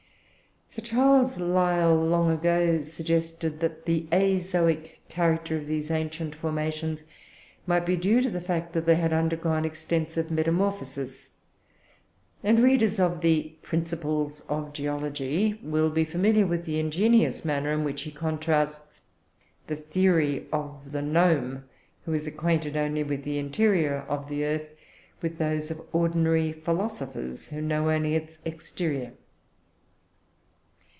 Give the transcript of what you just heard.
Sir Charles Lyell long ago suggested that the azoic character of these ancient formations might be due to the fact that they had undergone extensive metamorphosis; and readers of the "Principles of Geology" will be familiar with the ingenious manner in which he contrasts the theory of the Gnome, who is acquainted only with the interior of the earth, with those of ordinary philosophers, who know only its exterior.